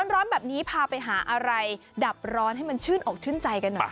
ร้อนแบบนี้พาไปหาอะไรดับร้อนให้มันชื่นอกชื่นใจกันหน่อย